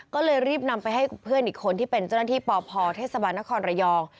ก็เลยรีบนำไปให้เพื่อนอีกคนที่เป็นเจ้าหน้าที่ปพเทศบาลนครระยอง